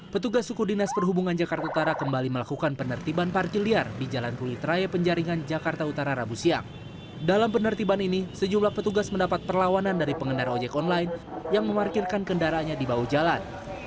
pada selasa kemarin